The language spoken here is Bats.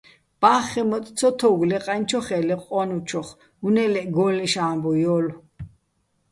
ბა́ხხეჼ მოტტ ცო თო́უგო̆ ლე ყაჲნჩოხე́ ლე ყო́ნუჩოხ, უ̂ნე ლე́ჸ გო́ლლიშ ა́მბუჲ ჲო́ლო̆.